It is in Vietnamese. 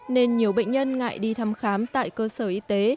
nên nhiều bệnh nhân ngại đi thăm khám tại cơ sở y tế